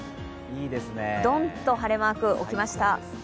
ドンと晴れマークを置きました。